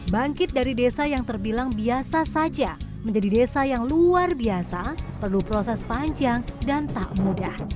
bangkit dari desa yang terbilang biasa saja menjadi desa yang luar biasa perlu proses panjang dan tak mudah